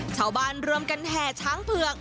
ชาวบ้านรวมกันแห่ช้างเผือก